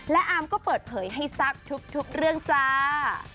และอาร์มก็เปิดเผยให้ทราบทุกเรื่องจ้า